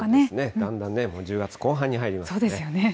だんだんね、もう１０月後半に入りますからね。